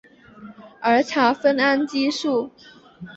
儿茶酚胺激素。